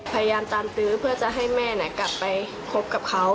พยายามตามตื้อเพื่อจะให้แม่กลับไปคบกับเขา